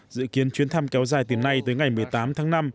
dự kiến chuyến thăm kéo dài từ nay tới ngày một mươi tám tháng năm